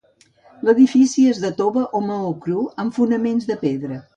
L'edifici és de tova o maó cru amb fonaments de pedra.